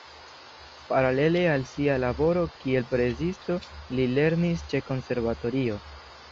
Paralele al sia laboro kiel presisto li lernis ĉe konservatorio.